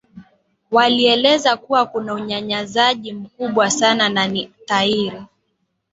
walieleza kuwa kuna unyanyazaji mkubwa sana na ni thairi